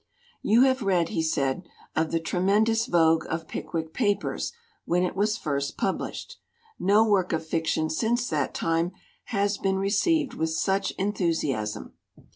"You have read," he said, "of the tremendous vogue of Pickwick Papers when it was first pub lished. No work of fiction since that time has been received with such enthusiasm.